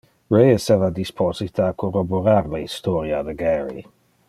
Ray esseva disposite a corroborar le historia de Gary.